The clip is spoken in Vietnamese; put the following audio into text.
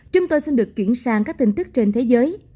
chúng tôi xin được chuyển sang các tin tức trên thế giới